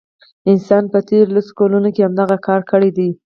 انسان په تیرو لسو کلونو کې همدغه کار کړی دی.